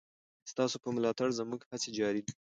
ستاسو په ملاتړ زموږ هڅې جاري دي.